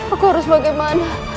aku harus bagaimana